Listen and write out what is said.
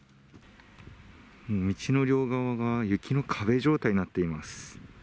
道の両側が雪の壁状態になっています。